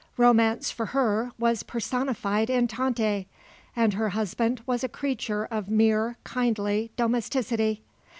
Romance for her was personified in Tante, and her husband was a creature of mere kindly domesticity.